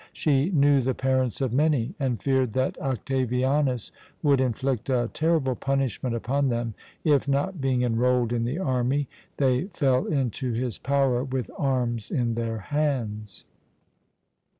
She knew the parents of many, and feared that Octavianus would inflict a terrible punishment upon them if, not being enrolled in the army, they fell into his power with arms in their hands.